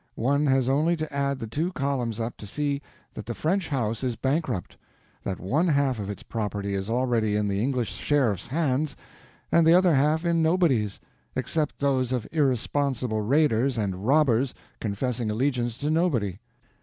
One has only to add the two columns up to see that the French house is bankrupt, that one half of its property is already in the English sheriff's hands and the other half in nobody's—except those of irresponsible raiders and robbers confessing allegiance to nobody.